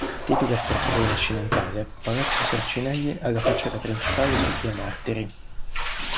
Tipica struttura rinascimentale, Palazzo Sarcinelli ha la facciata principale su via Martiri.